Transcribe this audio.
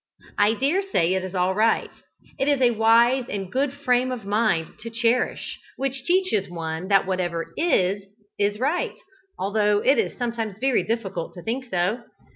I dare say it is all right: it is a wise and good frame of mind to cherish, which teaches one that whatever is, is right, although it is sometimes very difficult to think so.